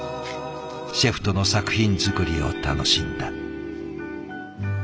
シェフとの作品作りを楽しんだ。